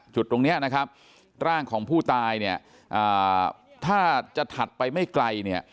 จุดตรงนี้นะครับร่างของผู้ตายเนี่ยถ้าจะถัดไปไม่ไกลเนี่ย